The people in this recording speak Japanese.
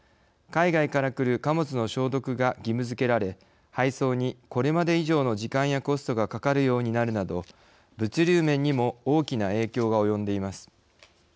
海外から来る貨物の消毒が義務づけられ配送に、これまで以上の時間やコストがかかるようになるなど物流面にも大きな影響が及んでいます。